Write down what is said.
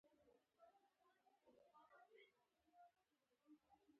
جګړه د هېڅ درد درمل نه شي کېدی